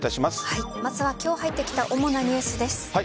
まずは今日入ってきた主なニュースです。